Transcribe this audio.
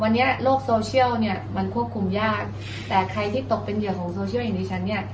วันนี้โลกโซเชียลเนี่ยมันควบคุมยากแต่ใครที่ตกเป็นเหยื่อของโซเชียลอย่างดิฉันเนี่ย